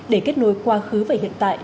để kết nối quá khứ với hiện tại